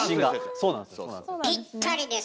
そうなんです。